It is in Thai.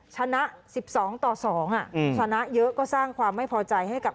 ชนะสิบสองต่อสองอ่ะชนะเยอะก็สร้างความไม่พอใจให้กับ